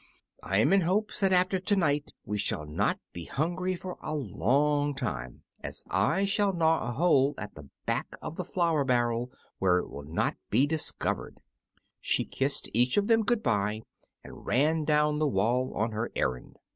I am in hopes that after to night we shall not be hungry for a long time, as I shall gnaw a hole at the back of the flour barrel, where it will not be discovered." She kissed each one of them good bye and ran down the wall on her errand.